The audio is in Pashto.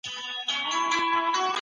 تر پایه به موږ ډېر مهارتونه زده کړي وي.